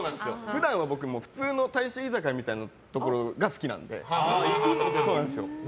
普段は僕、普通の大衆居酒屋みたいなところが好きなので。